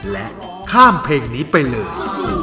และข้ามเพลงนี้ไปเลย